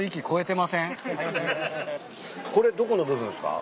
これどこの部分っすか？